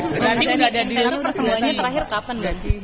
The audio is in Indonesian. berarti perkembangannya terakhir kapan